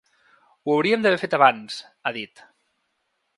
Ho hauríem d’haver fet abans, ha dit.